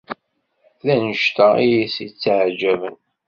D annect-a i as-yetteɛǧaben.